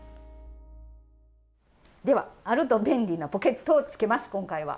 ではあると便利なポケットをつけます今回は。